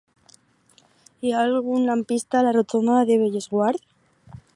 Hi ha algun lampista a la rotonda de Bellesguard?